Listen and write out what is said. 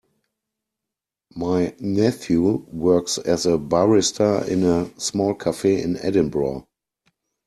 My nephew works as a barista in a small cafe in Edinburgh.